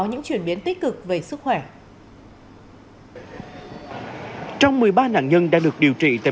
những chuyển biến tích cực về sức khỏe trong một mươi ba nạn nhân đã được điều trị tại